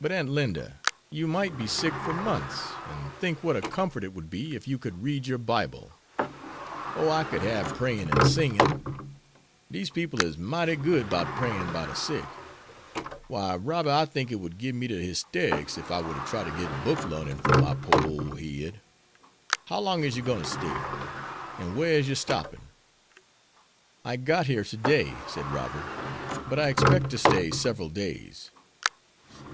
"But, Aunt Linda, you might be sick for months, and think what a comfort it would be if you could read your Bible." "Oh, I could hab prayin' and singin'. Dese people is mighty good 'bout prayin' by de sick. Why, Robby, I think it would gib me de hysterics ef I war to try to git book larnin' froo my pore ole head. How long is yer gwine to stay? An' whar is yer stoppin?" "I got here to day," said Robert, "but I expect to stay several days."